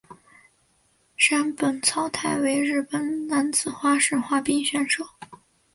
山本草太为日本男子花式滑冰选手。